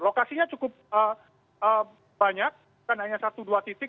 lokasinya cukup banyak bukan hanya satu dua titik